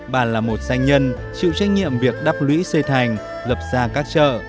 bà là một doanh nhân chịu trách nhiệm việc đắp lũy xây thành lập ra các chợ